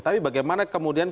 tapi bagaimana kemudian